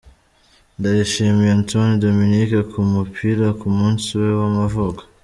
Ndayishimiye Antoine Dominique ku mupira ku munsi we w'amavuko .